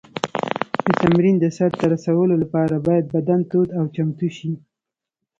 د تمرین د سر ته رسولو لپاره باید بدن تود او چمتو شي.